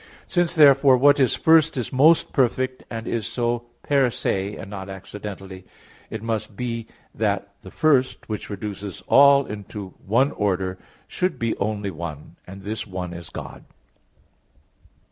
Since therefore what is first is most perfect, and is so per se and not accidentally, it must be that the first which reduces all into one order should be only one. And this one is God.